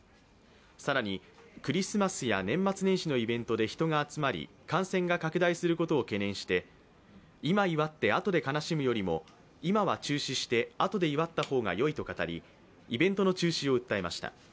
更にクリスマスや年末年始のイベントで人が集まり、感染が拡大することを懸念して、今祝ってあとで悲しむよりも今は中止して後で祝った方がよいと語りイベントの中止を訴えました。